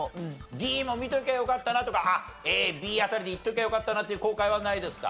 Ｄも見ときゃよかったなとかＡＢ辺りでいっときゃよかったなっていう後悔はないですか？